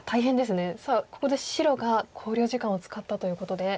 さあここで白が考慮時間を使ったということで。